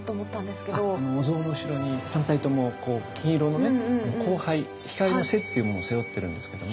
お像の後ろに３体とも金色のね「光背」光の背っていうものを背負ってるんですけども。